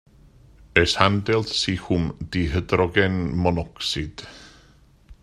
Es handelt sich um Dihydrogenmonoxid.